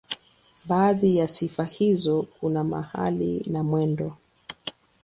Baadhi ya sifa hizo kuna mahali na mwendo.